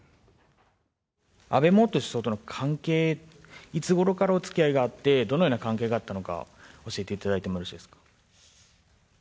安倍元首相との関係、いつごろからおつきあいがあって、どのような関係があったのかを教えていただいてもよろしいですか。